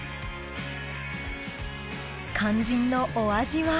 肝心のお味は？